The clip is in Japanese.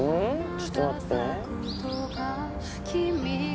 ちょっと待って